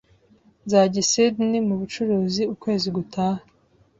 Nzajya i Sydney mu bucuruzi ukwezi gutaha